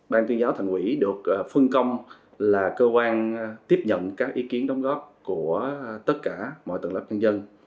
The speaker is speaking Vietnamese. ban tuyên giáo thành quỹ được phân công là cơ quan tiếp nhận các ý kiến đóng góp của tất cả mọi tầng lớp nhân dân